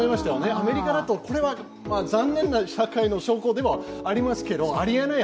アメリカだと、残念な社会の証拠でもありますけどありえない